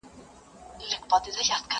دهقان څه چي لا په خپل کلي کي خان وو!.